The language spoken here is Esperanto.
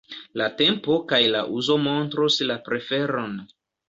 La tempo kaj la uzo montros la preferon.